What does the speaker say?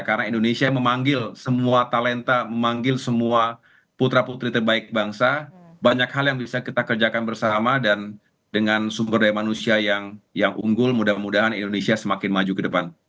karena indonesia memanggil semua talenta memanggil semua putra putri terbaik bangsa banyak hal yang bisa kita kerjakan bersama dan dengan sumber daya manusia yang unggul mudah mudahan indonesia semakin maju ke depan